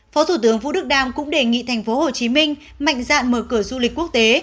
phó thủ tướng vũ đức đam cũng đề nghị thành phố hồ chí minh mạnh dạn mở cửa du lịch quốc tế